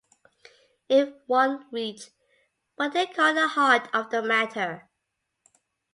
If one reached what they called the heart of the matter?